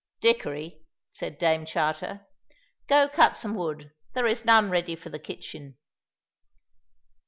"Dickory," said Dame Charter, "go cut some wood; there is none ready for the kitchen."